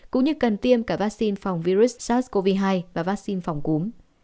cũng như cần tiêm cả vaccine phòng virus sars cov hai và vaccine phòng cúm